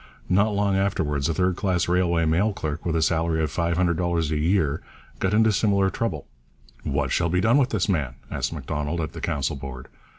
Not long afterwards a third class railway mail clerk, with a salary of $500 a year, got into similar trouble. 'What shall be done with this man?' asked Macdonald at the Council Board.